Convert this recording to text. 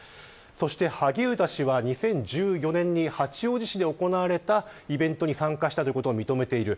そして萩生田氏は、２０１４年に八王子市で行われたイベントに参加したということは認めている。